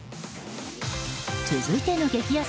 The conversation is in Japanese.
続いての激安